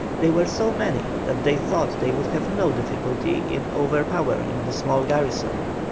They were so many that they thought they would have no difficulty in overpowering the small garrison.